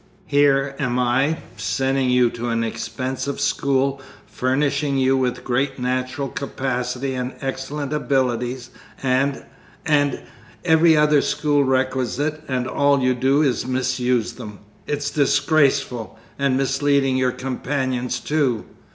Here am I, sending you to an expensive school, furnishing you with great natural capacity and excellent abilities, and and every other school requisite, and all you do is to misuse them! It's disgraceful! And misleading your companions, too!